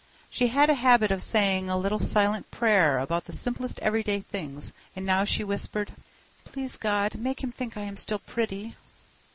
She had a habit of saying a little silent prayer about the simplest everyday things, and now she whispered: "Please God, make him think I am still pretty."